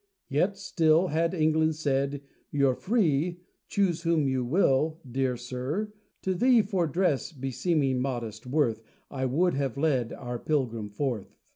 Yet, still, had England said, "You're free, Choose whom you will," dear sir, to thee, For dress beseeming modest worth, I would have led our pilgrim forth.